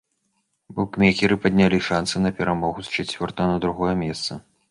Букмекеры паднялі шанцы на перамогу з чацвёртага на другое месца.